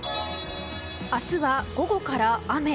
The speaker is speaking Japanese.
明日は午後から雨。